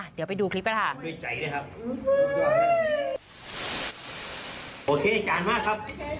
เดี๋ยวไปดูคลิปกันค่ะ